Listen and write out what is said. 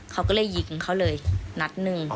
เขาก็เลยยิงเขาเลยนัดหนึ่ง